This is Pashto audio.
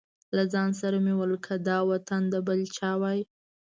له ځان سره مې وویل که دا وطن د بل چا وای.